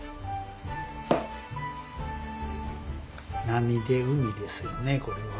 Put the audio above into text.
波で海ですよねこれは。